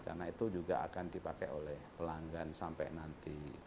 karena itu juga akan dipakai oleh pelanggan sampai nanti